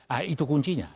nah itu kuncinya